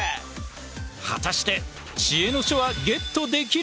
果たして知恵の書はゲットできるのか！